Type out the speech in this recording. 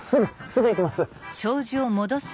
すぐ行きます！